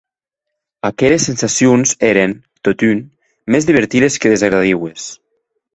Aqueres sensacions èren, totun, mès divertides que desagradiues.